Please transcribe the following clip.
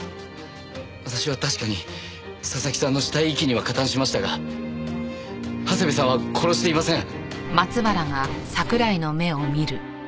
私は確かに佐々木さんの死体遺棄には加担しましたが長谷部さんは殺していません。